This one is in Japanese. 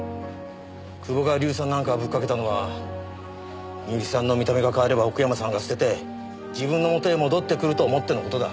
久保が硫酸なんかぶっかけたのは深雪さんの見た目が変われば奥山さんが捨てて自分のもとへ戻ってくると思っての事だ。